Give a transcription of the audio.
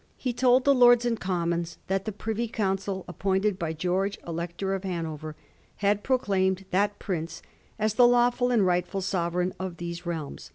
He told the Lords and Commons that the Privy Council appointed by George, Elector of Hanover, had pro claimed that Prince as the lawfiil and rightful sovereign of these realms.